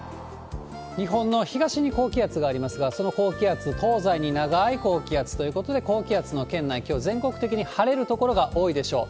日本の東に高気圧がありますが、その高気圧、東西に長い高気圧ということで、高気圧の圏内、きょう全国的に晴れる所が多いでしょう。